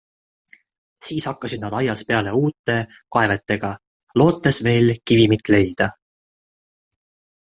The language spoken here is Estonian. Siis hakkasid nad aias peale uute kaevetega, lootes veel kivimit leida.